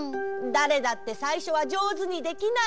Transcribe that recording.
だれだってさいしょはじょうずにできないよ。